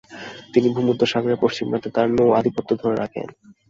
তিনি ভূমধ্যসাগরের পশ্চিম প্রান্তে তার নৌ-আধিপত্য ধরে রাখেন।